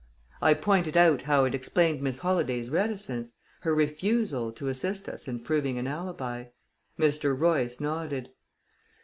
I pointed out how it explained Miss Holladay's reticence her refusal to assist us in proving an alibi. Mr. Royce nodded.